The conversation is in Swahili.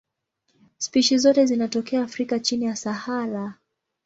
Spishi zote zinatokea Afrika chini ya Sahara.